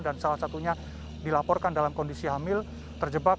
dan salah satunya dilaporkan dalam kondisi hamil terjebak